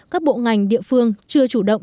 các bộ ngành địa phương chưa chủ động